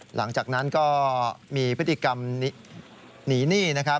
หลังจากนั้นก็มีพฤติกรรมหนีหนี้นะครับ